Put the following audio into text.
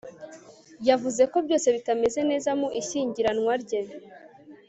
Yavuze ko byose bitameze neza mu ishyingiranwa rye